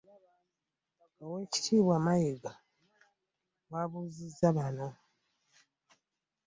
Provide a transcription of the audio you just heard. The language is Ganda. Oweekitiibwa Mayiga bw'abuuzizza bano